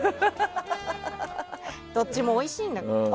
どっちもおいしいんだから。